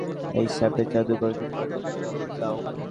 এই সাপের জাদুকরকে পাল্টা জবাব দাও।